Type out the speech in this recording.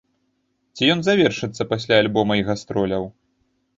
Ці ён завершыцца пасля альбома і гастроляў?